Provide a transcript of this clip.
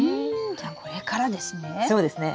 じゃあこれからですね？